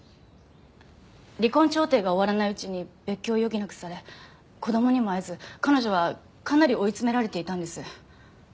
離婚調停が終わらないうちに別居を余儀なくされ子供にも会えず彼女はかなり追い詰められていたんです。